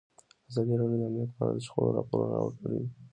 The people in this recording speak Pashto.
ازادي راډیو د امنیت په اړه د شخړو راپورونه وړاندې کړي.